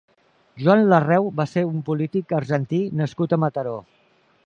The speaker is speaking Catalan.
Joan Larreu va ser un polític argentí nascut a Mataró.